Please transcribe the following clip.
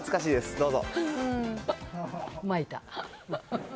どうぞ。